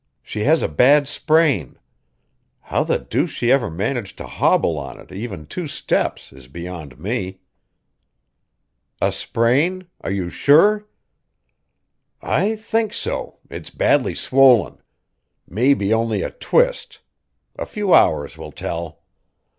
She has a bad sprain; how the deuce she ever managed to hobble on it even two steps is beyond me." "A sprain? Are you sure?" "I think so; it's badly swollen. Maybe only a twist; a few hours will tell."